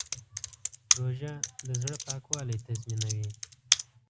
روژه د زړه پاکوالی تضمینوي.